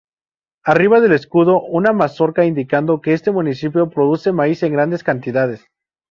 Arriba del escudo una mazorca indicando que este municipio produce maíz en grandes cantidades.